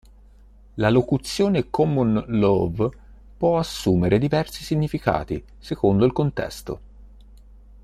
La locuzione "common law" può assumere diversi significati secondo il contesto.